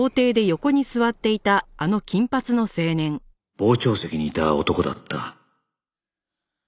傍聴席にいた男だった